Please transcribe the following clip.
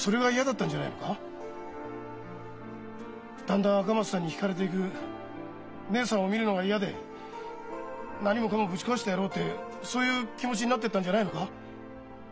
だんだん赤松さんにひかれていく義姉さんを見るのが嫌で何もかもぶち壊してやろうってそういう気持ちになってたんじゃないのか？